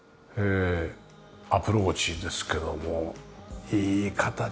アプローチですけどもいい形の庭ですよね。